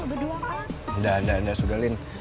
enggak sudah lin